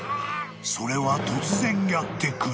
［それは突然やってくる］